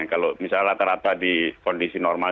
kalau misalnya rata rata di kondisi normal